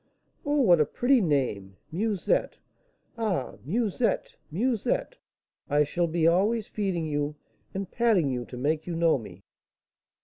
"Oh, what a pretty name! Musette! Ah, Musette, Musette, I shall be always feeding you and patting you to make you know me."